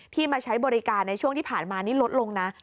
มาใช้บริการในช่วงที่ผ่านมานี่ลดลงนะ